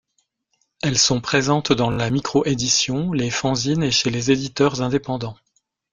Elles sont présentes dans la micro-édition, les fanzines et chez les éditeurs indépendants.